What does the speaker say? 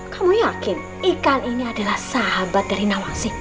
kamu yakin ikan ini adalah sahabat dari nawasi